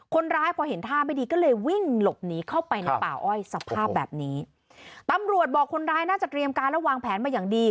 คนร้ายพอเห็นท่าไม่ดีก็เลยวิ่งหลบหนีเข้าไปในป่าอ้อยสภาพแบบนี้ตำรวจบอกคนร้ายน่าจะเตรียมการและวางแผนมาอย่างดี